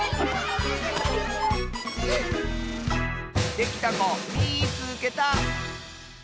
できたこみいつけた！